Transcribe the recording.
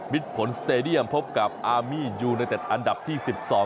มิดผลสเตดียมพบกับอาร์มียูเนเต็ดอันดับที่๑๒